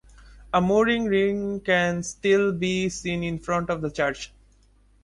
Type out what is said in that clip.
A mooring ring can still be seen in front of the church.